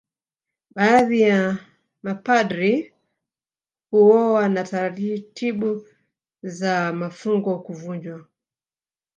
Baadhi ya mapadri kuoa na taratibu za mafungo kuvunjwa